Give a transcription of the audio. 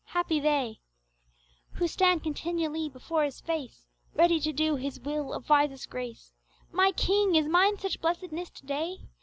happy they Who stand continually before His face, Ready to do His will of wisest grace! My King! is mine such blessedness to day?